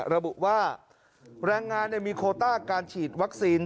ระบุว่าแรงงานมีโคต้าการฉีดวัคซีน